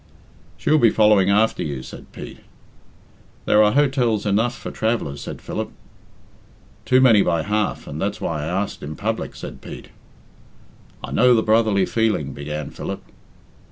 "She'll be following after you," said Pete. "There are hotels enough for travellers," said Philip. "Too many by half, and that's why I asked in public," said Pete. "I know the brotherly feeling " began Philip.